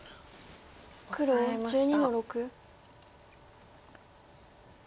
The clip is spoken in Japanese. オサえました。